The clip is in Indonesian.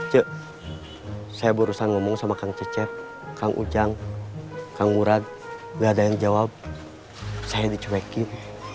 cek saya berusaha ngomong sama kang cecep kang ujang kang urat gak ada yang jawab saya dicuekin